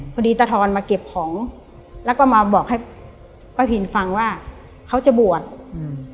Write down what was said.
ตาทอนมาเก็บของแล้วก็มาบอกให้ป้าพินฟังว่าเขาจะบวชอืม